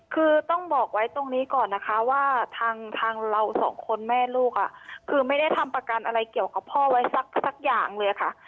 คือต้องบอกไว้ตรงนี้ก่อนนะคะว่าทางเราสองคนแม่ลูกคือไม่ได้ทำประกันอะไรเกี่ยวกับพ่อไว้สักอย่างเลยค่ะ